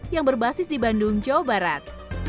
yang berbasis di bandung jawa barat